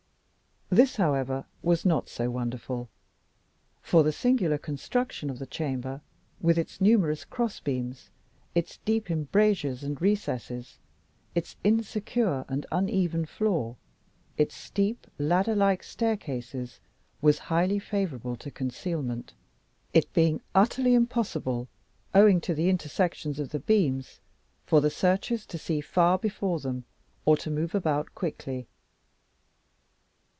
This, however, was not so wonderful for the singular construction of the chamber, with its numerous crossbeams, its deep embrasures and recesses, its insecure and uneven floor, its steep ladder like staircases, was highly favourable to concealment, it being utterly impossible, owing to the intersections of the beams, for the searchers to see far before them, or to move about quickly.